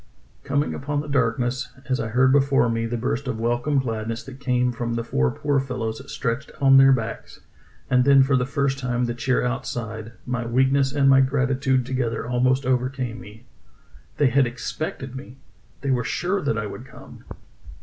Coming upon the darkness, as I heard before me the burst of welcome gladness that came from the four poor fellows stretched on their backs, and then for the first time the cheer outside, my weakness and my gratitude together almost overcame me. They had expected me! They were sure that I would come